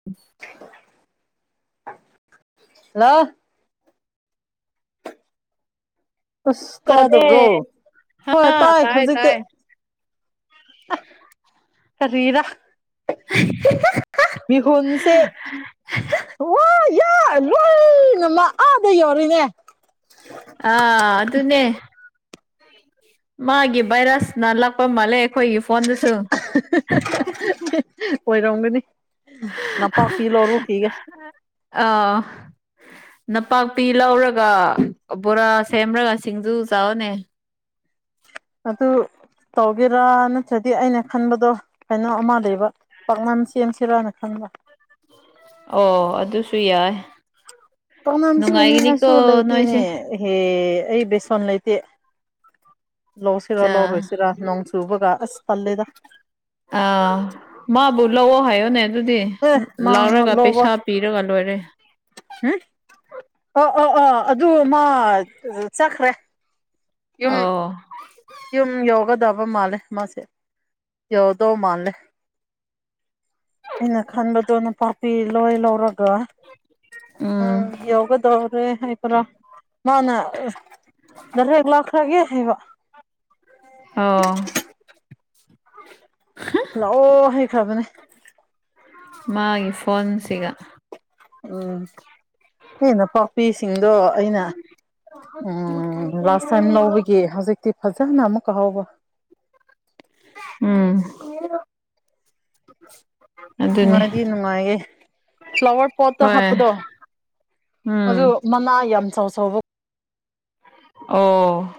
ꯎꯝ hello ꯑꯁ ꯀꯗꯦ ꯇꯥꯗꯕ꯭ꯔꯣ ꯍꯣꯏ ꯑꯥ ꯇꯥꯏ ꯍꯧꯖꯤꯛꯇꯤ ꯇꯥꯏ ꯔ ꯃꯤꯍꯟꯁꯦ ꯌꯥ ꯔꯣꯏꯅꯃ ꯑꯥꯗ ꯌꯧꯔꯤꯅꯦ ꯑ ꯑꯗꯨ ꯑꯗꯨꯅꯦ ꯃꯥꯒꯤ ꯚꯥꯏꯔꯥꯁꯅꯂꯛꯄ ꯃꯥꯜꯂꯦ ꯑꯩꯈꯣꯏꯒꯤ ꯐꯣꯟꯗꯨꯁꯨ ꯑꯣꯏꯔꯝꯒꯅꯤ ꯅꯄꯥꯛꯄꯤ ꯂꯧꯔꯨꯈꯤꯒ ꯑꯥ ꯅꯄꯥꯛꯄꯤ ꯂꯧꯔꯒ ꯕꯣꯔꯥ ꯁꯦꯝꯔꯒ ꯁꯤꯡꯖꯨ ꯆꯥꯔꯅꯦ ꯑꯗꯨ ꯇꯧꯒꯦꯔꯥ ꯅꯠꯇ꯭ꯔꯗꯤ ꯑꯩꯅ ꯈꯟꯕꯗꯣ ꯀꯩꯅꯣ ꯑꯃ ꯂꯩꯕ ꯄꯥꯛꯅꯥꯅ ꯆꯦꯟꯁꯤꯔꯥꯅ ꯈꯪꯕ ꯑꯣ ꯑꯗꯨꯁꯨ ꯌꯥꯏ ꯄꯅꯝꯁꯅꯤꯡ ꯅꯨꯡꯉꯥꯏꯒꯅꯤꯀꯣ ꯀꯥꯏꯁꯨ ꯂꯩꯇꯦꯅꯦ ꯅꯣꯏꯁꯦ ꯍꯦ ꯑꯩ ꯕꯦꯁꯣꯟ ꯂꯩꯇꯦ ꯂꯧꯁꯤꯔ ꯆꯥ ꯂꯧꯔꯣꯏꯁꯤꯔ ꯅꯣꯡ ꯁꯨꯕꯒ ꯑꯁ ꯇꯂꯦꯗ ꯑꯥ ꯃꯥꯕꯨ ꯂꯑꯣ ꯍꯥꯏꯌꯣꯅꯦ ꯑꯗꯨꯗꯤ ꯑꯦ ꯃꯥ ꯂꯧꯔꯒ ꯄꯩꯁꯥ ꯄꯤꯔꯣꯒꯜ ꯑꯣꯏꯔꯦ ꯎꯝ ꯑꯣ ꯑꯣ ꯑꯣ ꯑꯗꯨ ꯃꯥ ꯆꯠꯈ꯭ꯔꯦ ꯌꯨꯝ ꯑꯣ ꯌꯨꯝ ꯌꯧꯒꯗꯕ ꯃꯥꯜꯂꯦ ꯃꯥꯁꯦ ꯌꯧꯗꯧ ꯃꯥꯜꯂꯦ ꯑꯩꯅ ꯈꯟꯕꯗꯣ ꯅꯨꯄꯥꯄꯤ ꯂꯣꯏ ꯂꯧꯔꯒ ꯎꯝ ꯌꯒꯗ ꯑꯣꯏ꯭ꯔꯦ ꯍꯥꯏꯄꯔ ꯃꯥꯅ ꯦꯛ ꯂꯥꯛꯈ꯭ꯔꯒꯦ ꯍꯥꯏꯕ ꯑꯣ ꯂꯥꯛꯑꯣ ꯍꯩꯈ꯭ꯔꯕꯅꯦ ꯃꯥꯒꯤ ꯐꯣꯟꯁꯤꯒ ꯎꯝ ꯍꯦꯟꯅ ꯄꯥꯛꯄꯤꯁꯤꯡꯗꯣ ꯑꯩꯅ ꯎꯝ ꯂꯥꯁ ꯇꯥꯏꯝ ꯂꯧꯕꯒꯤ ꯍꯧꯖꯤꯛꯇꯤ ꯐꯖꯅ ꯑꯃꯨꯛꯀ ꯍꯥꯎꯕ ꯎꯝ ꯑꯗꯨꯅꯤ ꯅꯨꯡꯉꯥꯏꯗꯤ ꯅꯨꯡꯉꯥꯏꯌꯦꯦ ꯐ꯭ꯂꯥꯋꯔ ꯄꯣꯠꯇꯣ ꯍꯣꯏ ꯍꯥꯞꯄꯗꯣ ꯎꯝ ꯑꯗꯨ ꯃꯅꯥ ꯌꯥꯝ ꯆꯥꯎ ꯆꯥꯎꯕ ꯑꯣ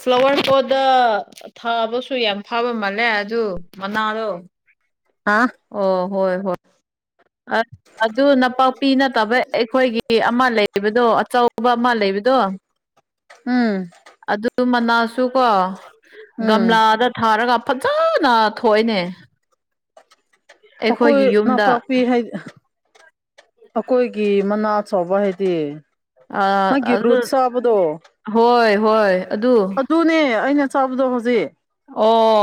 ꯐ꯭ꯂꯋꯥꯔ ꯍꯣꯗ ꯊꯥꯕꯁꯨ ꯌꯥꯝ ꯐꯥꯕ ꯃꯥꯜꯂꯦ ꯑꯗꯨ ꯃꯅꯥꯗꯣ ꯑ ꯑꯣ ꯍꯣꯏ ꯍꯣꯏ ꯑꯗꯨ ꯅꯄꯥꯛꯄꯤ ꯅꯠꯇꯕ ꯑꯩꯈꯣꯏꯒꯤ ꯀꯦ ꯑꯃ ꯂꯩꯕꯗꯣ ꯑꯆꯧꯕ ꯑꯃ ꯂꯩꯕꯗꯣ ꯎꯝ ꯑꯗꯨ ꯃꯅꯥꯁꯨ ꯀꯣ ꯎꯝ ꯒꯝꯂꯥꯗ ꯊꯥꯔꯒ ꯐꯖꯅ ꯊꯣꯛꯏꯅꯦ ꯑꯣꯈꯣꯏ ꯑꯩꯈꯣꯏꯒꯤ ꯅꯅꯥ ꯌꯨꯝꯗ ꯄꯄꯤꯄꯤ ꯍꯥꯏꯗꯤ ꯑꯩꯈꯣꯏꯒꯤ ꯃꯅꯥ ꯆꯥꯎꯕ ꯍꯥꯏꯗꯤ ꯑ ꯃꯥꯒꯤ ꯑꯗꯨ ꯔꯨꯠ ꯁꯥꯕꯗꯣ ꯍꯣꯏ ꯍꯣꯏ ꯑꯗꯨ ꯇꯨꯅꯦ ꯑꯩꯅ ꯆꯞꯗꯣ ꯍꯧꯖꯤꯦ ꯑꯣ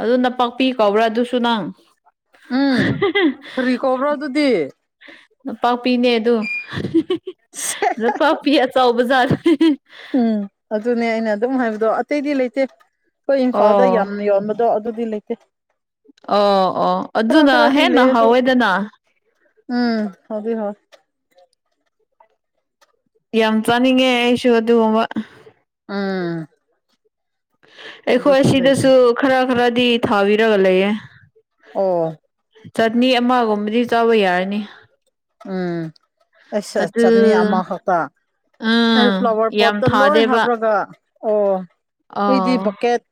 ꯑꯗꯨ ꯅꯄꯥꯛꯥꯛꯄꯤ ꯀꯧꯕ꯭ꯔꯥ ꯑꯗꯨꯁꯨ ꯅꯪ ꯎꯝ ꯀꯔꯤ ꯀꯧꯕ꯭ꯔꯣ ꯑꯗꯨꯗꯤ [inaudible] ꯂꯝꯄꯥꯛꯄꯤꯅꯦ ꯑꯗꯨ ꯂꯝꯄꯥꯛꯄꯤ ꯑꯆꯕꯖꯥꯠꯔꯦ ꯎꯝ ꯑꯗꯨꯅꯦ ꯑꯩꯅ ꯑꯗꯨꯝ ꯍꯥꯏꯕꯗꯣ ꯑꯇꯩꯗꯤ ꯂꯩꯇꯦ ꯑꯩꯈꯣꯏ ꯏꯝꯐꯥꯜꯗ ꯑꯣ ꯌꯥꯝ ꯌꯣꯟꯕ ꯑꯗꯣ ꯑꯗꯨꯗꯤ ꯂꯩꯇꯦ ꯑꯣ ꯑꯣ ꯈꯔ ꯑꯗꯨꯅ ꯈꯔꯗꯤ ꯍꯦꯟꯅ ꯂꯩ ꯑꯗꯨ ꯍꯥꯎꯋꯦꯗꯅ ꯎꯝ ꯍꯣꯏ ꯍꯣꯏ ꯌꯥꯝ ꯆꯥꯅꯤꯡꯉꯦ ꯑꯩꯁꯨ ꯑꯗꯨꯒꯨꯝꯕ ꯎꯝ ꯑꯩꯈꯣꯏ ꯑꯗꯨꯁꯨ ꯂꯩꯕꯅꯤ ꯁꯤꯗꯁꯨ ꯈꯔ ꯈꯔꯗꯤ ꯊꯥꯕꯤꯔꯒ ꯂꯩꯌꯦ ꯑꯣ ꯆꯅꯤ ꯑꯃꯒꯨꯝꯕꯗꯤ ꯆꯥꯕ ꯌꯥꯔꯅꯤ ꯎꯝ ꯑꯁ ꯑꯗꯨ ꯆꯠꯅꯤ ꯑꯃ ꯈꯛꯇ ꯑꯩ ꯎꯝ ꯐ꯭ꯂꯥꯋꯔ ꯌꯥꯝ ꯄꯣꯠꯇ ꯂꯣꯏ ꯊꯥꯗꯦꯕ ꯍꯥꯞ꯭ꯔꯒ ꯑꯣ ꯑꯩꯗꯤ ꯑꯥ ꯕꯣꯀꯦꯠ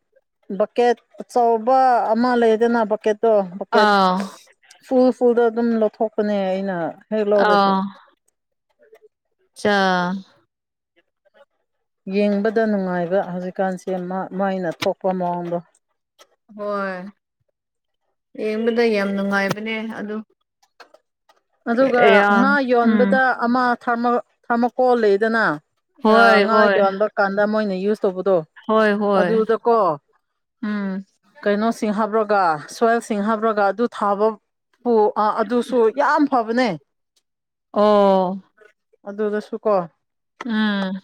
ꯕꯛꯀꯦꯠ ꯑꯆꯧꯕ ꯑꯃ ꯂꯩꯗꯅ ꯕꯛꯀꯦꯠꯇꯣ ꯕꯛꯀꯦꯠ ꯑꯥ ꯐꯨꯜ ꯐꯨꯜꯗ ꯑꯗꯨꯝ ꯂꯧꯈꯠꯄꯅꯦ ꯑꯩꯅ ꯍꯦꯛ ꯂꯧꯔꯗꯤ ꯑꯆꯥ ꯌꯦꯡꯕꯗ ꯅꯨꯡꯉꯥꯏꯕ ꯍꯧꯖꯤꯛꯀꯥꯟꯁꯦ ꯃꯥꯏꯅ ꯊꯣꯛꯄ ꯃꯑꯣꯡꯗꯣ ꯍꯣꯏ ꯌꯦꯡꯕꯗ ꯌꯥꯝ ꯅꯨꯡꯉꯥꯏꯕꯅꯦ ꯑꯗꯨ ꯑꯗꯨꯒ ꯌꯥꯝ ꯉꯥ ꯎꯝ ꯌꯣꯟꯕꯗ ꯑꯃ ꯊꯥꯔꯃꯣꯀꯣꯜ ꯂꯩꯗꯅ ꯑ ꯍꯣꯏ ꯉꯥ ꯍꯣꯏ ꯌꯣꯟꯕꯥ ꯀꯥꯟꯗ ꯃꯣꯏꯅ ꯌꯨꯁ ꯇꯧꯕꯗꯣ ꯍꯣꯏ ꯍꯣꯏ ꯑꯗꯨꯗꯀꯣ ꯎꯝ ꯀꯩꯅꯣꯁꯤꯡ ꯍꯥꯞꯨꯔꯒ ꯁꯣꯏꯜꯁꯤꯡ ꯍꯥꯞꯄꯨꯔꯒ ꯑꯗꯨ ꯊꯥꯕ ꯑꯣ ꯑꯥ ꯑꯗꯨꯁꯨ ꯌꯥꯝ ꯐꯕꯅꯦ ꯑꯣ ꯑꯗꯨꯗꯁꯨ ꯀꯣ ꯎꯝ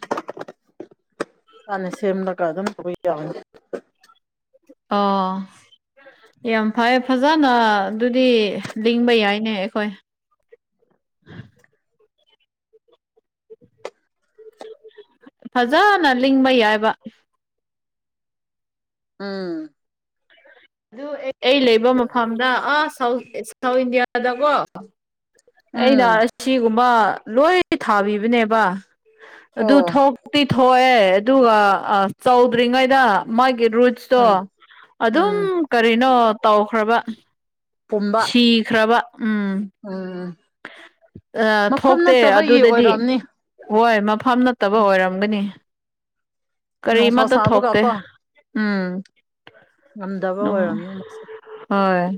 ꯏꯁꯥꯅ ꯁꯦꯝꯂꯒ ꯑꯗꯨꯝ ꯇꯧꯕ ꯌꯥꯎꯅꯤ [inaudible] ꯑꯣ ꯌꯥꯝ ꯐꯩ ꯐꯖꯅ ꯑꯗꯨꯗꯤ ꯂꯤꯡꯕ ꯌꯥꯏꯅꯦ ꯑꯩꯈꯣꯏ ꯐꯖꯅ ꯂꯤꯡꯕ ꯌꯥꯏꯕ ꯎꯝ ꯑꯗꯨ ꯑꯩ ꯂꯩꯕ ꯃꯐꯝꯗ ꯑꯥ ꯁꯥꯎ ꯁꯥꯎꯠ ꯏꯟꯗꯤꯌꯥꯗꯀꯣ ꯑꯩꯅ ꯎꯝ ꯑꯁꯤꯒꯨꯝꯕ ꯂꯣꯏ ꯊꯥꯕꯤꯕꯅꯦꯕ ꯑꯗꯨ ꯑꯣ ꯊꯣꯛ ꯛꯇꯤ ꯊꯣꯛꯑꯦ ꯑꯗꯨꯒ ꯆꯥꯎꯧꯗ꯭ꯔꯤꯉꯩꯗ ꯃꯥꯒꯤ ꯔꯨꯠꯁ ꯇꯣ ꯎꯝ ꯎꯝ ꯑꯗꯨꯝ ꯀꯔꯤꯅꯣ ꯇꯧꯈ꯭ꯔꯕ ꯄꯨꯝꯕ ꯁꯤꯈ꯭ꯔꯕ ꯎꯝ ꯎꯝ ꯑ ꯃꯐꯝ ꯊꯣꯛꯇꯦ ꯅꯠꯇꯕꯒꯤ ꯑꯗꯨꯗꯗꯤ ꯑꯣꯏꯔꯝꯅꯤ ꯍꯣꯏ ꯃꯐꯝ ꯅꯠꯇꯕ ꯑꯣꯏꯔꯝꯒꯅꯤ ꯅꯨꯡꯁꯥ ꯀꯔꯤꯃꯠꯇ ꯁꯥꯕꯒ ꯊꯣꯛꯇꯦ ꯀꯣ ꯎꯝ ꯉꯝꯗꯕ ꯑꯣꯏꯔꯝꯅꯤ ꯃꯁꯦ ꯎꯝꯍꯣꯏ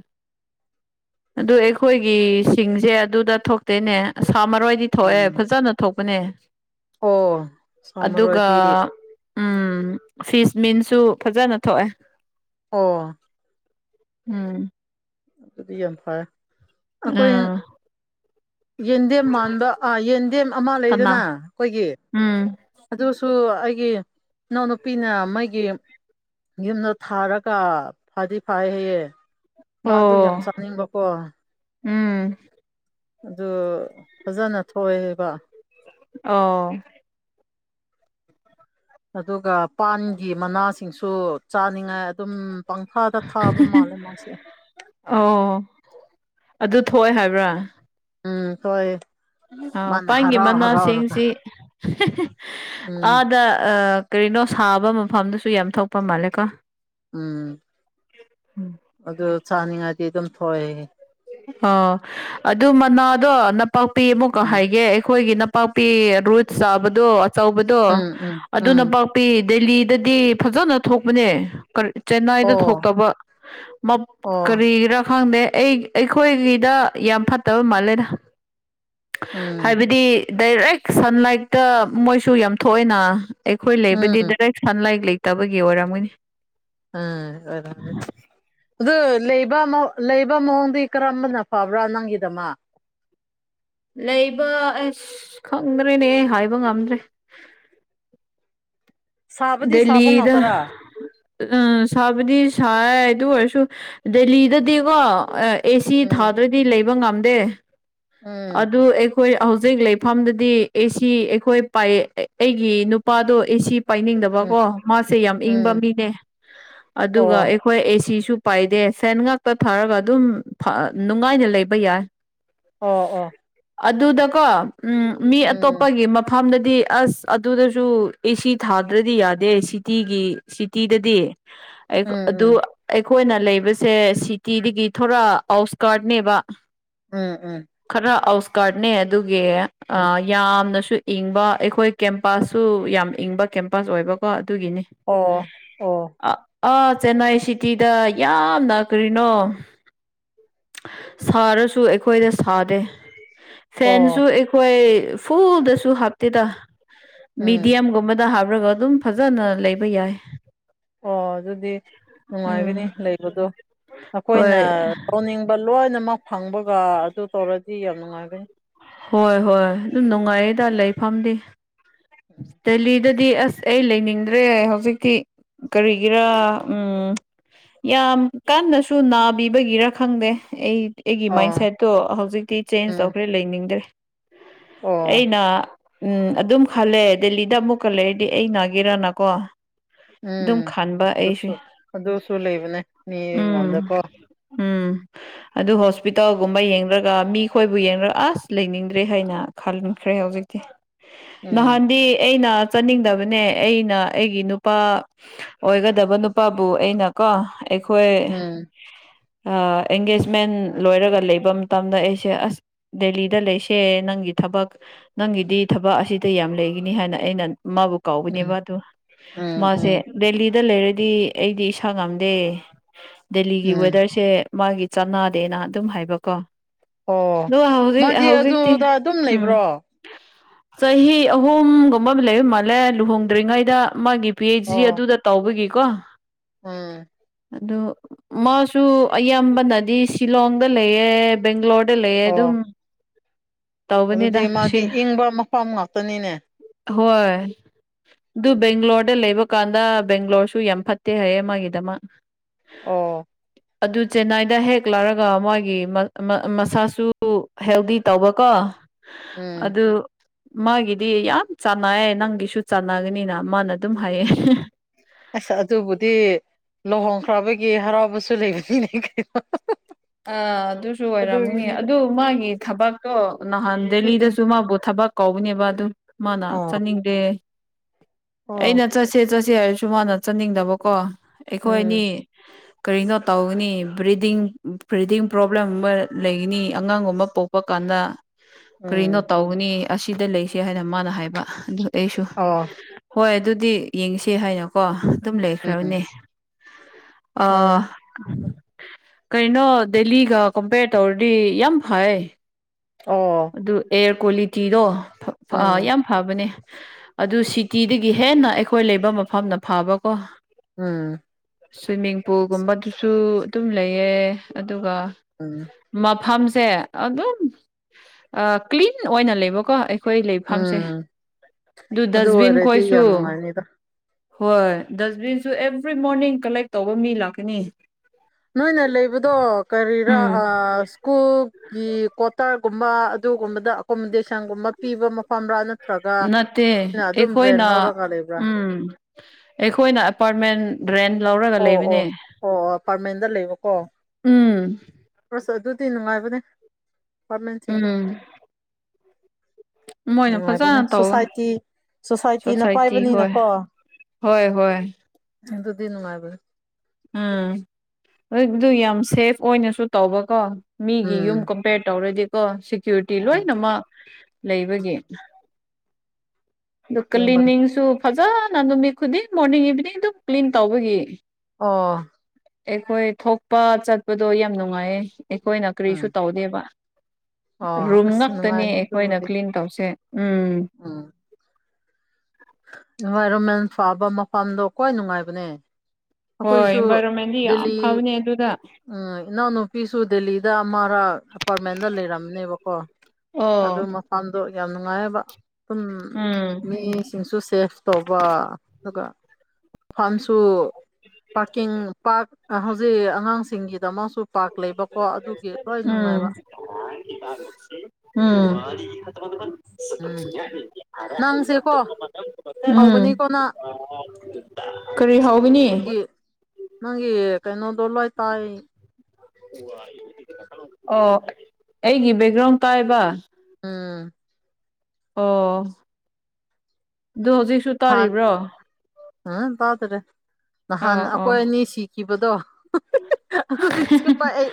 ꯑꯗꯨ ꯑꯩꯈꯣꯏꯒꯤ ꯁꯤꯡꯁꯦ ꯑꯗꯨꯗ ꯊꯣꯛꯇꯦꯅꯦ ꯁꯥ ꯃꯔꯣꯏꯗꯤ ꯊꯣꯛꯑꯦ ꯎꯝ ꯐꯖꯅ ꯊꯣꯛꯄꯅꯦ ꯑꯣ ꯑꯗꯨꯒ ꯁꯥꯃꯔꯣꯏꯗꯤ ꯎꯝ ꯐꯤꯁ ꯃꯤꯟꯁꯨ ꯐꯖꯅ ꯊꯣꯛꯑꯦ ꯑꯣ ꯎꯝ [inaudible] ꯑꯗꯨꯗꯤ ꯌꯥꯝ ꯐꯔꯦ ꯑꯩꯈꯣꯏ ꯎꯝ ꯌꯦꯟꯗꯦꯝ ꯃꯥꯟꯕꯥ ꯌꯦꯟꯗꯦꯝ ꯑꯃ ꯀꯅꯥ ꯂꯩꯗꯅ ꯑꯩꯈꯣꯏꯒꯤ ꯎꯝ ꯑꯗꯨꯁꯨ ꯑꯩꯒꯤ ꯏꯅꯥꯎꯅꯨꯄꯤꯅ ꯃꯒꯤ ꯌꯨꯝꯗ ꯊꯥꯔꯒ ꯐꯗꯤ ꯐꯩ ꯍꯌꯦꯦ ꯃꯥ ꯑꯣ ꯑꯗꯨ ꯌꯥꯝ ꯆꯥꯅꯤꯡꯕꯀꯣ ꯎꯝ ꯑꯗꯨ ꯐꯖꯅ ꯊꯣꯛꯑꯦꯕꯣ ꯑꯣ ꯑꯗꯨꯒ ꯄꯥꯟꯒꯤ ꯃꯅꯥꯁꯤꯡꯁꯨ ꯆꯥꯅꯤꯡꯉꯥꯏ ꯑꯗꯨꯝ ꯄꯪꯊꯥꯗ ꯊꯥꯕ ꯃꯥꯜꯂꯦ ꯃꯥꯁꯦ ꯑꯣ ꯑꯗꯨ ꯊꯣꯛꯑꯦ ꯍꯥꯏꯕ꯭ꯔꯥ ꯎꯝ ꯍꯣꯏꯦ ꯑ ꯄꯒꯤ ꯃꯅꯥꯁꯤꯡꯁꯤ ꯎꯝ ꯑꯥꯗ ꯀꯔꯤꯅꯣ ꯁꯥꯕ ꯃꯐꯝꯗꯨꯁꯨ ꯌꯥꯝ ꯊꯣꯛꯄ ꯃꯥꯜꯂꯦꯀꯣ ꯎꯝ ꯑꯗꯨ ꯆꯥꯅꯤꯡꯉꯥꯏꯗꯤ ꯑꯗꯨꯝ ꯊꯣꯛꯑꯦ ꯑꯣ ꯑꯗꯨ ꯃꯅꯥꯗꯣ ꯅꯄꯥꯛꯄꯤ ꯑꯃꯨꯛ ꯎꯝ ꯍꯥꯏꯒꯦ ꯑꯩꯈꯣꯏꯒꯤ ꯄꯥꯛꯄꯤ ꯔꯨꯠ ꯆꯥꯕꯗꯣ ꯑꯆꯧꯕꯗꯣ ꯎꯝ ꯎꯝ ꯎꯝ ꯑꯗꯨꯅ ꯄꯤꯤ ꯗꯦꯂꯤꯗꯗꯤ ꯐꯖꯅ ꯊꯣꯛꯄꯅꯦ ꯆꯦꯟꯅꯥꯏꯗ ꯑꯣ ꯊꯣꯛꯇꯕ ꯑꯣ ꯀꯔꯤꯒꯤꯔꯥ ꯈꯪꯗꯦ ꯑꯩ ꯑꯩꯈꯣꯏꯒꯤꯗ ꯌꯥꯝ ꯐꯠꯇꯕ ꯃꯥꯜꯂꯦꯗ ꯎꯝ ꯍꯥꯏꯕꯗꯤ ꯗꯥꯏꯔꯦꯛ ꯁꯟꯂꯥꯏꯠꯇ ꯃꯣꯏꯁꯨ ꯌꯥꯝ ꯊꯣꯛꯏꯅ ꯑꯩꯈꯣꯏ ꯎꯝ ꯂꯩꯕꯗꯤ ꯗꯥꯏꯔꯦꯛ ꯁꯟ ꯂꯥꯏꯔꯤꯛ ꯂꯩꯇꯕꯒꯤ ꯑꯣꯏꯔꯝꯃꯣꯏꯅꯤ ꯑꯝ ꯑꯣꯏꯔꯅꯤ ꯑꯗꯨ ꯂꯩꯕ ꯂꯩꯕ ꯃꯑꯣꯡꯗꯤ ꯀꯔꯝꯕꯅ ꯐꯕ꯭ꯔꯥ ꯅꯪꯒꯤꯗꯃ ꯂꯩꯕ ꯑꯁ ꯈꯪꯗ꯭ꯔꯦꯅꯦ ꯍꯥꯏꯕ ꯉꯝꯗ꯭ꯔꯦ ꯁꯥꯕꯗꯤ ꯁꯥꯕ ꯗꯦꯜꯂꯤꯗ ꯉꯥꯛꯇꯔꯥ ꯎꯝ ꯁꯥꯕꯗꯤ ꯁꯥꯏ ꯑꯗꯨ ꯑꯣꯏꯔꯁꯨ ꯗꯦꯂꯤꯗꯗꯤꯀꯣ ꯑꯦ ꯁꯤ ꯎꯝ ꯊꯥꯗꯣꯏꯗꯤ ꯂꯩꯕ ꯉꯝꯗꯦ ꯎꯝ ꯑꯗꯨ ꯑꯩꯈꯣꯏ ꯍꯧꯖꯤꯛ ꯂꯩꯐꯝꯗꯗꯤ ꯑꯦꯁꯤ ꯑꯩꯈꯣꯏ ꯄꯥꯏ ꯑꯩꯒꯤ ꯅꯨꯄꯥꯗꯣ ꯑꯦꯁꯤ ꯎꯝ ꯄꯥꯏꯅꯤꯡꯗꯕꯀꯣ ꯃꯥꯁꯦ ꯌꯥꯝ ꯏꯪꯕ ꯎꯝ ꯃꯤꯅꯦ ꯑꯗꯨꯒ ꯑꯣ ꯍꯣꯏ ꯑꯦ ꯁꯤꯁꯨ ꯄꯥꯏꯗꯦ ꯐꯦꯟ ꯉꯥꯛꯇ ꯊꯥꯔꯒ ꯑꯗꯨꯝ ꯅꯨꯡꯉꯥꯏꯅ ꯂꯩꯕ ꯌꯥꯏ [unintelligible] ꯑꯣ ꯑꯣ ꯑꯗꯨꯗꯀꯣ ꯎꯝ ꯃꯤ ꯎꯝ ꯑꯇꯣꯞꯄꯒꯤ ꯃꯐꯝꯗꯗꯤ ꯑꯁ ꯑꯗꯨꯗꯁꯨ ꯑꯦꯁꯤ ꯊꯥꯗ꯭ꯔꯗꯤ ꯌꯥꯗꯦ ꯁꯤꯇꯤꯒꯤ ꯁꯤꯇꯤꯗꯗꯤ ꯑꯩ ꯎꯝ ꯑꯗꯨ ꯎꯝ ꯑꯩꯈꯣꯏꯅ ꯂꯩꯕꯁꯦ ꯁꯤꯇꯤꯗꯒꯤ ꯊꯣꯔꯥ ꯑꯥꯎꯠꯁꯀꯔꯠꯅꯦꯕ ꯎꯝ ꯎꯝ ꯈꯔ ꯑꯥꯎꯁꯀꯥꯔꯠꯅꯦ ꯑꯗꯨꯒꯤ ꯑ ꯌꯥꯝꯅꯁꯨ ꯏꯪꯕ ꯑꯩꯈꯣꯏ ꯀꯦꯝꯄꯥꯁꯁꯨ ꯌꯥꯝ ꯏꯪꯕ ꯀꯦꯝꯄꯥꯁ ꯑꯣꯏꯕꯀꯣ ꯑꯗꯨꯒꯤꯅꯤ ꯑꯣ ꯑꯣ ꯑ ꯆꯦꯟꯅꯥꯏ ꯁꯤꯇꯤꯗ ꯌꯥꯝꯅ ꯀꯔꯤꯅꯣ ꯁꯥꯔꯁꯨ ꯑꯩꯈꯣꯏꯗ ꯁꯥꯗꯦ ꯐꯦꯟꯁꯨ ꯑꯣ ꯍꯣꯏ ꯐꯨꯜꯗꯁꯨ ꯍꯥꯞꯇꯦꯗ ꯎꯝ ꯃꯤꯦꯗꯤꯌꯝꯒꯨꯝꯕꯗ ꯍꯥꯞꯔꯒ ꯑꯗꯨꯝ ꯐꯖꯅ ꯂꯩꯕ ꯌꯥꯏ ꯑꯣ ꯑꯗꯨꯗꯤ ꯎꯝ ꯅꯨꯡꯉꯥꯏꯒꯅꯤ ꯂꯩꯕꯗꯣ ꯑꯩꯈꯣꯏꯅ ꯍꯣꯏ ꯂꯧꯅꯤꯡ ꯂꯣꯏꯅꯃꯛ ꯐꯪꯕꯒ ꯑꯗꯨ ꯇꯧꯔꯗꯤ ꯌꯥꯝ ꯅꯨꯡꯉꯥꯏꯒꯅꯤ ꯍꯣꯏ ꯍꯣꯏ ꯑꯗꯨꯝ ꯅꯨꯡꯉꯥꯏꯌꯦꯗ ꯂꯩꯐꯝꯗꯤ ꯗꯦꯍꯤꯗꯗꯤ ꯑꯁ ꯑꯩ ꯂꯩꯅꯤꯡꯗ꯭ꯔꯦ ꯍꯧꯖꯤꯛꯇꯤ ꯀꯔꯤꯒꯤꯔꯥ ꯎꯝ ꯌꯥꯝ ꯀꯟꯅꯁꯨ ꯅꯥꯕꯤꯕꯒꯤꯔ ꯈꯪꯗꯦ ꯑꯩ ꯑꯩꯒꯤ ꯑꯣ ꯃꯥꯏꯟꯁꯦꯠꯇꯣ ꯍꯧꯖꯤꯛꯇꯤ ꯆꯦꯟꯖ ꯎꯝ ꯇꯧꯈ꯭ꯔꯦ ꯂꯩꯅꯤꯡꯗ꯭ꯔꯦ ꯑꯣ ꯑꯩꯅ ꯎꯝ ꯑꯗꯨꯝ ꯈꯜꯂꯦ ꯗꯦꯜꯂꯤꯗ ꯑꯃꯨꯛꯀ ꯂꯩꯔꯗꯤ ꯑꯩ ꯅꯥꯒꯦꯔꯅꯀꯣ ꯑꯗꯨꯝ ꯎꯝ ꯈꯟꯕ ꯑꯩꯁꯦ ꯑꯗꯨꯁꯨ ꯑꯗꯨꯁꯨ ꯂꯩꯕꯅꯦ ꯎꯝ ꯃꯤꯉꯣꯟꯗꯀꯣ ꯎꯝ ꯑꯗꯨ ꯍꯣꯁꯄꯤꯇꯥꯜꯒꯨꯝꯕ ꯌꯦꯡꯔꯒ ꯃꯤꯈꯣꯏꯕꯨ ꯌꯦꯡꯔꯒ ꯑꯁ ꯂꯩꯅꯤꯡꯗ꯭ꯔꯦ ꯍꯥꯏꯅ꯫ ꯈꯟꯈ꯭ꯔꯦ ꯍꯧꯖꯤꯛꯇꯤ ꯎꯝ ꯅꯍꯥꯟꯗꯤ ꯑꯩꯅ꯫ ꯆꯠꯅꯤꯡꯗꯕꯅꯦ ꯑꯩꯅ ꯑꯩꯒꯤ ꯅꯨꯄꯥ ꯑꯣꯏꯒꯗꯕ ꯅꯨꯄꯥꯕꯨ ꯑꯩꯅ ꯀꯣ꯫ ꯑꯩꯈꯣꯏ꯫ ꯎꯝ ꯑꯦꯡꯒꯦꯖꯃꯦꯟ ꯂꯣꯏꯔꯒ ꯂꯩꯕ ꯃꯇꯝꯗ ꯑꯩꯁꯦ ꯑꯁ꫰꫰ ꯗꯦꯂꯤꯗ ꯂꯩꯁꯦ ꯅꯪꯒꯤ ꯊꯕꯛ ꯅꯪꯒꯤꯗꯤ ꯊꯕꯛ ꯑꯁꯤ꯫ ꯑꯇꯩ ꯌꯥꯝ ꯂꯩꯒꯅꯤ ꯍꯥꯏꯅ ꯑꯩꯅ ꯃꯥꯕꯨ ꯀꯥꯎꯒꯅꯦꯕ ꯎꯝ ꯑꯗꯨ ꯎꯝ ꯃꯥꯁꯦ꯫ ꯎꯝ ꯗꯦꯜꯂꯤꯗ ꯂꯩꯔꯗꯤ ꯑꯩꯗꯤ ꯏꯁꯥ ꯉꯝꯗꯦ ꯗꯦꯜꯂꯤꯒꯤ ꯎꯝ ꯋꯦꯗꯔꯁꯦ꯫ ꯃꯥꯒꯤ ꯆꯥꯟꯅꯗꯦꯅ ꯑꯗꯨꯝ ꯍꯥꯏꯕꯀꯣ꯫ ꯑꯣ ꯑꯗꯣ ꯍꯧꯖꯤ ꯃꯥꯗꯤ ꯍꯧꯖꯤꯇꯤ ꯑꯗꯨꯗ ꯑꯗꯨꯝ ꯎꯝ꯫ ꯂꯩꯕ꯭ꯔꯣ ꯆꯍꯤ ꯑꯍꯨꯝꯒꯨꯝꯕ ꯑꯃ ꯂꯩꯕ ꯃꯥꯜꯂꯦ ꯂꯨꯍꯣꯡꯗ꯭ꯔꯤꯉꯩꯗ ꯃꯥꯒꯤ ꯄꯤ ꯍꯩꯁ ꯑꯣ ꯑꯗꯨꯗ ꯇꯧꯕꯒꯤꯀꯣ꯫ ꯎꯝ꯫ ꯑꯗꯨ ꯃꯥꯁꯨ ꯑꯌꯥꯝꯕꯅꯗꯤ ꯁꯤꯂꯣꯡꯗ ꯂꯩꯌꯦ꯫ ꯕꯦꯡꯒꯂꯣꯔꯗ ꯂꯩꯌꯦ ꯑꯗꯨꯝ꯫ ꯑꯣ ꯑꯗꯨꯗꯤ ꯇꯧꯕꯅꯤꯗ ꯃꯥꯗꯤ ꯏꯪꯕ ꯃꯐꯝ ꯉꯥꯛꯇꯅꯤꯅꯦ꯫ ꯑꯍꯣꯏꯣ ꯑꯗꯨ ꯕꯦꯡꯒꯂꯣꯔ ꯗ ꯂꯩꯕ ꯀꯥꯟꯗ ꯕꯦꯡꯒ꯭ꯂꯣꯔꯁꯨ ꯌꯥꯝ ꯐꯠꯇꯦ ꯍꯥꯏꯌꯦ ꯃꯥꯒꯤꯗꯃꯛ꯫ ꯑꯣ꯫ ꯑꯗꯨ ꯆꯦꯟꯅꯥꯏꯗ ꯍꯦꯛ ꯂꯥꯔꯒ ꯃꯥꯒꯤ ꯃꯁꯥꯁꯨ꯫ ꯍꯦꯜꯗꯤ ꯇꯧꯕꯀꯣ ꯎꯝ ꯑꯗꯨ꯫ ꯃꯥꯒꯤꯗꯤ ꯌꯥꯝ ꯆꯥꯟꯅꯩꯑꯦ ꯅꯪꯒꯤꯁꯨ ꯆꯥꯟꯅꯒꯅꯤꯅ ꯃꯥꯅ ꯑꯗꯨꯝ ꯍꯥꯏꯌꯦ꯫ ꯑꯁ ꯑꯗꯨꯕꯨꯗꯤ ꯂꯨꯍꯣꯡꯈ꯭ꯔꯕꯒꯤ ꯍꯔꯥꯎꯕꯁꯨ ꯂꯩꯕꯅꯤꯅꯦ ꯀꯩꯅꯣ꯫ ꯑ ꯑꯗꯨꯁꯨ ꯑꯣꯏꯔꯝꯒꯅꯤ ꯑꯗꯨꯒꯤꯅꯤꯗ ꯑꯗꯨ ꯃꯥꯒꯤ ꯊꯕꯛꯇꯣ ꯅꯍꯥꯟ ꯎꯝ ꯗꯦꯜꯂꯤꯗꯁꯨ ꯃꯥꯕꯨ ꯊꯕꯛ ꯀꯧꯕꯅꯦꯕ ꯑꯗꯨ ꯃꯥꯅ ꯑꯣ ꯆꯠꯅꯤꯡꯗꯦ꯫ ꯑꯣ ꯑꯩꯅ ꯆꯠꯁꯦ ꯆꯠꯁꯦ ꯍꯥꯏꯔꯁꯨ ꯃꯥꯅ ꯆꯠꯅꯤꯡꯗꯕꯀꯣ ꯑꯩꯈꯣꯏ ꯑꯅꯤ꯫ ꯎꯝ ꯀꯔꯤꯅꯣ ꯇꯧꯒꯅꯤ ꯕ꯭ꯔꯤꯗꯤꯡ꯫ ꯕ꯭ꯔꯤꯗꯤꯡ ꯄ꯭ꯔꯣꯕ꯭ꯂꯦꯝ ꯒꯨꯝꯕ ꯂꯩꯒꯅꯤ ꯑꯉꯥꯡꯒꯨꯝꯕ ꯄꯣꯛꯄ ꯀꯥꯟꯗ꯫ ꯀꯔꯤꯅꯣ ꯎꯝ ꯇꯧꯕꯅꯤ ꯑꯁꯤꯗ ꯂꯩꯁꯦ ꯍꯥꯏꯅ ꯃꯥꯅ ꯍꯥꯏꯕ ꯑꯗꯨ ꯑꯩꯁꯨ꯫ ꯑꯣ꯫ ꯍꯣꯏ ꯑꯗꯨꯗꯤ ꯌꯦꯡꯁꯦ ꯍꯥꯏꯅꯀꯣ ꯑꯗꯨꯝ ꯎꯝ ꯂꯩꯈ꯭ꯔꯕꯅꯦ꯫ ꯎꯝ ꯑ꫰꫰ ꯀꯩꯅꯣ ꯗꯦꯜꯂꯤꯒ ꯀꯝꯄꯦꯌꯔ ꯇꯧꯔꯗꯤ ꯌꯥꯝ ꯐꯥꯌꯦ꯫ ꯑꯣ꯫ ꯑꯗꯨ ꯑꯦꯌꯥꯔ ꯀ꯭ꯋꯥꯂꯤꯇꯤꯗꯣ ꯐꯥ ꯎꯝ ꯌꯥꯝ ꯐꯕꯅꯦ ꯑꯗꯨ ꯁꯤꯇꯤꯗꯒꯤ ꯍꯦꯟꯅ ꯑꯩꯈꯣꯏ ꯂꯩꯕ ꯃꯐꯝꯅ ꯐꯕꯀꯣ꯫ ꯎꯝ꯫ ꯁꯨꯏꯃꯤꯡ ꯄꯨꯜꯒꯨꯝꯕꯗꯨꯁꯨ ꯑꯗꯨꯝ ꯂꯩꯌꯦ ꯑꯗꯨꯒ꯫ ꯎꯝ꯫ ꯃꯐꯝꯁꯦ ꯑꯗꯨꯝ ꯀꯤꯂꯤꯟ ꯑꯣꯏꯅ ꯂꯩꯕꯀꯣ꯫ ꯑꯩꯈꯣꯏ ꯂꯩꯐꯝꯁꯦ ꯎꯝ ꯑꯗꯨ ꯗꯁꯕꯤꯟ ꯑꯣꯏꯔꯗꯤ ꯈꯣꯏꯁꯨ꯫ ꯌꯥꯝ ꯅꯨꯡꯉꯥꯏꯅꯤꯗ ꯍꯣꯏ ꯗꯁꯕꯤꯟꯁꯨ ꯑꯦꯕ꯭ꯔꯤ ꯃꯣꯔꯅꯤꯡ ꯀꯂꯦꯛ ꯇꯧꯕ ꯃꯤ ꯂꯥꯛꯀꯅꯤ꯫ ꯅꯣꯏꯅ ꯂꯩꯕꯗꯣ ꯀꯔꯤꯔꯥ ꯎꯝ ꯑꯁ꯫ ꯀꯣꯜꯀꯤ ꯀ꯭ꯋꯥꯇꯔꯒꯨꯝꯕ ꯑꯗꯨꯒꯨꯝꯕꯗ ꯑꯦꯀꯣꯃꯣꯗꯦꯁꯟꯒꯨꯝꯕ ꯄꯤꯕ ꯃꯐꯝ ꯔꯥ ꯅꯥꯠꯇ ꯅꯠꯇꯦ ꯑꯩꯈꯣꯏꯅ ꯂꯧꯔꯒ ꯂꯩꯕ꯭ꯔꯥ ꯎꯝ ꯑꯩꯈꯣꯏꯅ꯫ ꯐꯔꯃꯦꯟ ꯕꯔꯦꯟ ꯂꯧꯔꯒ ꯑꯣ ꯑꯣ ꯂꯩꯕꯅꯦ ꯑꯣ ꯑꯣ ꯑꯄꯥꯔꯠꯃꯦꯟꯗ ꯂꯩꯕꯀꯣ ꯎꯝ꯫ ꯑꯁ ꯑꯗꯨꯗꯤ ꯅꯨꯡꯉꯥꯏꯕꯅꯦ ꯐꯔꯃꯦꯟꯁꯤꯡꯗꯤ꯫ ꯎꯝ ꯃꯣꯏꯅ ꯅꯨꯡꯉꯥꯏꯕꯅꯦ ꯐꯖꯅ ꯇꯧꯋꯦ ꯁꯣꯁꯥꯏꯇꯤ ꯁꯣꯁꯥꯏꯇꯤꯅ ꯁꯣꯁꯥꯏꯇꯤ ꯍꯣꯏ꯫ ꯄꯥꯏꯕꯅꯤꯅꯀꯣ ꯍꯣꯏ ꯍꯣꯏ꯫ ꯑꯗꯨꯗꯤ ꯅꯨꯡꯉꯥꯏꯕꯅꯤ꯫ ꯎꯝ ꯑꯗꯨ ꯑꯗꯨ ꯌꯥꯝ ꯁꯦꯐ ꯑꯣꯏꯅꯁꯨ ꯇꯧꯕꯀꯣ ꯃꯤꯒꯤ ꯎꯝ ꯌꯨꯝ ꯀꯝꯄꯦꯌꯔ ꯇꯧꯔꯗꯤꯀꯣ ꯁꯤꯀ꯭ꯌꯨꯔꯤꯇꯤ ꯎꯝ ꯂꯣꯏꯅꯃꯛ ꯂꯩꯕꯒꯤ ꯑꯗꯨ ꯁꯦꯡꯕꯅꯦ ꯀ꯭ꯂꯤꯅꯤꯡꯁꯨ ꯐꯖꯅ ꯅꯨꯃꯤꯠ ꯈꯨꯗꯤꯡ ꯃꯣꯔꯅꯤꯡ ꯏꯚꯤꯅꯤꯡ ꯑꯗꯨꯝ ꯀ꯭ꯂꯤꯟ ꯇꯧꯕꯒꯤ ꯑꯣ ꯑꯩꯈꯣꯏ ꯊꯣꯛꯄ ꯆꯠꯄꯗꯣ ꯌꯥꯝ ꯅꯨꯡꯉꯥꯏꯌꯦ ꯑꯩꯈꯣꯏꯅ ꯎꯝ ꯀꯥꯔꯤꯁꯨ ꯇꯧꯗꯦꯕ ꯑꯣ ꯔꯨꯝ ꯑꯁ ꯉꯛꯇꯅꯤ ꯅꯨꯡꯉꯥꯏꯅꯤ ꯑꯩꯈꯣꯏꯅ ꯀ꯭ꯂꯤꯟ ꯇꯧꯁꯦ ꯎꯨꯝ ꯎꯨꯝ ꯏꯟꯚꯥꯏꯔꯣꯟꯃꯦꯟ ꯐꯕ ꯃꯐꯝꯗꯣ ꯈꯋꯥꯏ ꯅꯨꯡꯉꯥꯏꯕꯅꯦ ꯍꯣꯏ ꯑꯩꯈꯣꯏꯁꯨ ꯏꯟꯚꯥꯏꯔꯣꯟꯃꯦꯟꯗꯤ ꯌꯥꯝ ꯗꯦꯜꯂꯤ ꯐꯕꯅꯦ ꯑꯗꯨꯗ ꯎꯝ ꯏꯅꯥꯎꯅꯨꯄꯤꯁꯨ ꯗꯦꯂꯤꯗ ꯑꯃꯥꯔꯛ ꯑꯄꯥꯔꯠꯃꯦꯟꯗ ꯂꯩꯔꯝꯅꯦꯕꯀꯣ ꯑꯣ ꯐꯝꯗꯣ ꯌꯥꯝ ꯅꯨꯡꯉꯥꯏꯕ ꯑꯗꯨꯝ ꯎꯨꯝ ꯃꯤꯁꯤꯡꯁꯨ ꯁꯦꯐ ꯇꯧꯕ ꯑꯗꯨꯒ ꯃꯐꯥꯝꯁꯨ ꯄꯥꯔꯀꯤꯡ ꯄꯥ ꯍꯧꯖꯤꯛ ꯑꯉꯥꯡꯁꯤꯡꯒꯤꯗꯃꯛꯁꯨ ꯄꯥꯔꯀ ꯂꯩꯕꯀꯣ ꯑꯗꯨꯒꯤ ꯂꯣꯏ ꯅꯨꯡꯉꯥꯏꯕ ꯎꯨꯝ ꯎꯝ ꯅꯪꯁꯦꯀꯣ ꯎꯨꯝ ꯍꯧꯒꯅꯤꯀꯣ ꯅꯪꯒꯤ ꯀꯥꯔꯤ ꯍꯥꯎꯒꯅꯤ ꯒꯤ ꯅꯪꯒꯤ ꯀꯩꯅꯣꯗꯣ ꯂꯣꯏ ꯇꯥꯏ ꯑꯣ ꯑꯩꯒꯤ ꯕꯦꯛꯒ꯭ꯔꯥꯎꯟ ꯇꯥꯏꯌꯦꯕ ꯎꯨꯝ ꯑꯣ ꯑꯗꯨ ꯍꯧꯖꯤꯛꯁꯨ ꯅꯍꯥꯟ ꯇꯥꯔꯤꯕ꯭ꯔꯣ ꯎꯨꯝ ꯇꯥꯗꯔꯦ ꯅꯍꯥꯟ ꯑꯥ ꯑꯣ ꯑꯩꯈꯣꯏ ꯑꯅꯤ ꯁꯤꯈꯤꯕꯗꯣ ꯍ ꯍ ꯍ ꯑꯗꯨ ꯅꯤꯡꯁꯤꯡꯕ ꯑꯩ